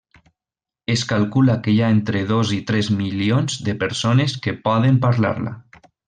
Es calcula que hi ha entre dos i tres milions de persones que poden parlar-la.